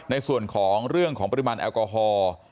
ในส่วนของเรื่องของปริมาณแอลกอฮอล์